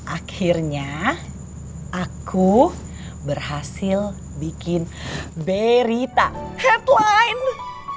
akhirnya aku berhasil bikin berita headline